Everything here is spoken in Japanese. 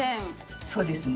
そうですね。